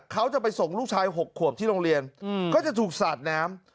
เขาจะไปส่งลูกชาย๖ขวบที่โรงเรียนก็จะถูกสาดน้ำ